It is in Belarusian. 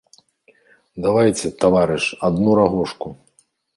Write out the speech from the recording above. Давайце, таварыш, адну рагожку.